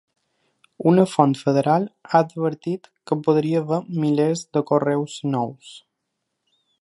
Una font federal ha advertit que podria haver milers de correus nous.